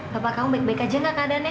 bapak kamu baik baik aja gak keadaannya